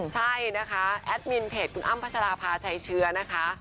ใช่นะคะแอดมินเพจคุณอ้ำพัชราภาชัยเชื้อนะคะ